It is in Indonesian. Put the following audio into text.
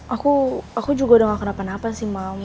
aku aku juga udah gak kenapa napa sih mau